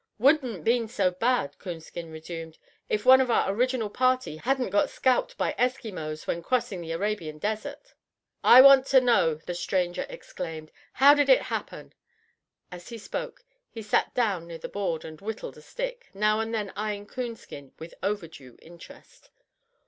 "Wouldn't been so bad," Coonskin resumed, "If one of our original party hadn't got scalped by Esquimaux when crossing the Arabian Desert." "I want ter know!" the stranger exclaimed. "How did it happen?" As he spoke, he sat down near the board and whittled a stick, now and then eyeing Coonskin with overdue interest.